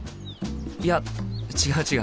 いや違う違う。